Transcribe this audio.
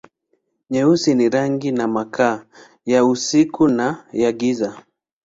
Nyeusi ni rangi na makaa, ya usiku na ya giza.